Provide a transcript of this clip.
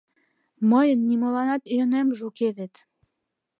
Мыйын нимоланат йӧнемже уке вет...